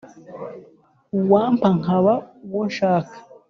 Uwampa nkaba uwo nshaka